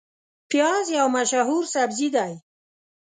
پیاز یو مشهور سبزی دی